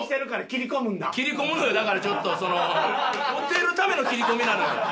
切り込むのよだからちょっとそのモテるための切り込みなのよ。